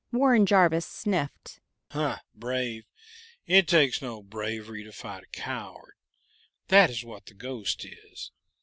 Warren Jarvis sniffed. "Huh! Brave? It takes no bravery to fight a coward that is what the ghost is.